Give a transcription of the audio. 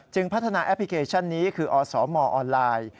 พัฒนาแอปพลิเคชันนี้คืออสมออนไลน์